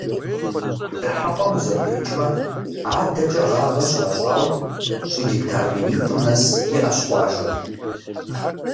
Дыхьэпӏэм узэпрыкӏмэ, адэкӏэ гъавэ щащӏэу щӏы гектар минитӏым нэс иӏэщ къуажэм.